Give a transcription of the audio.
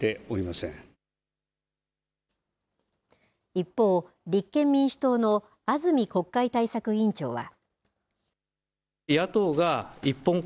一方、立憲民主党の安住国会対策委員長は。